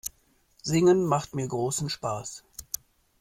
Singen macht mir großen Spaß.